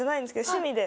趣味で？